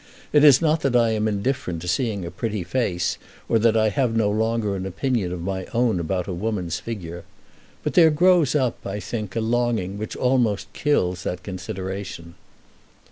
It is not that I am indifferent to seeing a pretty face, or that I have no longer an opinion of my own about a woman's figure. But there grows up, I think, a longing which almost kills that consideration."